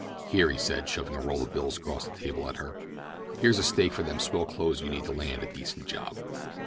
"Here," he said, shoving a roll of bills across the table to her. "Here's a stake for them swell clothes you need to land a decent job."